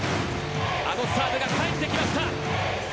あのサーブが返ってきました。